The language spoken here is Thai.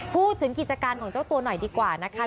พูดถึงกิจการของเจ้าตัวหน่อยดีกว่านะคะ